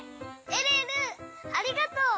えるえるありがとう！